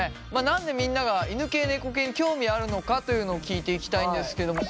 何でみんなが犬系・猫系に興味あるのかというのを聞いていきたいんですけども。